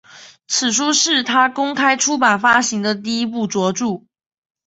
此书是他公开出版发行的第一部着作。